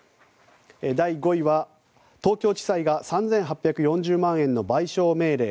第５位は東京地裁が３８４０万円の賠償命令。